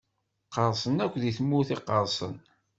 Qqerṣen akk di tmurt iqerṣen.